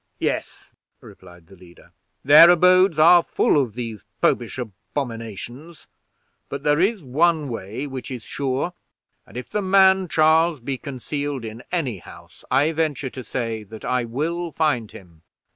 "Yes," replied the leader, "their abodes are full of these popish abominations; but there is one way which is sure; and if the man Charles be concealed in any house, I venture to say that I will find him.